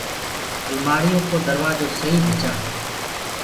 المآڙي يو ڪو دروآجو سئي ڀِچآ۔